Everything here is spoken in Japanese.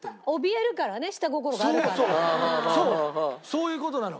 そういう事なの。